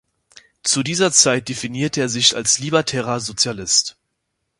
Zu dieser Zeit definierte er sich als libertärer Sozialist.